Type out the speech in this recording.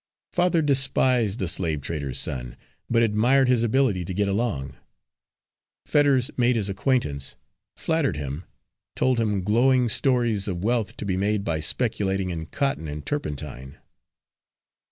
Father despised the slavetrader's son, but admired his ability to get along. Fetters made his acquaintance, flattered him, told him glowing stories of wealth to be made by speculating in cotton and turpentine.